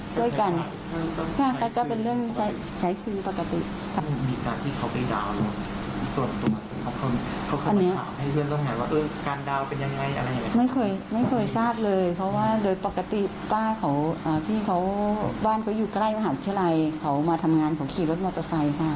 จะไปเข้ามาทำงานของขี่รถมอเตอร์ไซค์ค่ะ